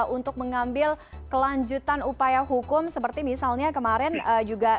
untuk mengambil kelanjutan upaya hukum seperti misalnya kemarin juga